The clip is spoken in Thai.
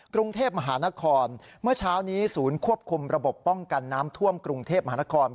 กรุงเทพมหานครเมื่อเช้านี้ศูนย์ควบคุมระบบป้องกันน้ำท่วมกรุงเทพมหานคร